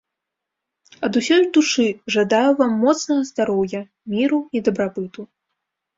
Ад усёй душы жадаю вам моцнага здароўя, міру і дабрабыту.